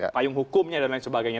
payung hukumnya dan lain sebagainya